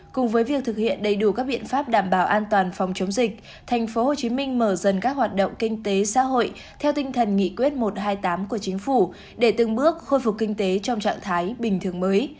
cùng với việc thực hiện đầy đủ các biện pháp đảm bảo an toàn phòng chống dịch tp hcm mở dần các hoạt động kinh tế xã hội theo tinh thần nghị quyết một trăm hai mươi tám của chính phủ để từng bước khôi phục kinh tế trong trạng thái bình thường mới